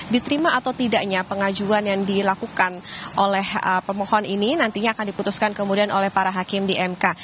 diterima atau tidaknya pengajuan yang dilakukan oleh pemohon ini nantinya akan diputuskan kemudian oleh para hakim di mk